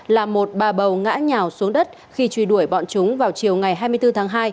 là một bà bầu ngã nhào xuống đất khi truy đuổi bọn chúng vào chiều ngày hai mươi bốn tháng hai